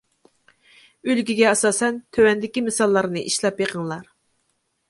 ئۈلگىگە ئاساسەن تۆۋەندىكى مىساللارنى ئىشلەپ بېقىڭلار.